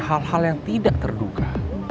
hal hal yang tidak terduga